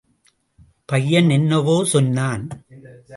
பையன் என்னவோ சொன்னான்.